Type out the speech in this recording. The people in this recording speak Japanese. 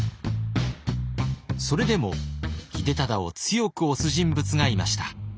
それでも秀忠を強く推す人物がいました。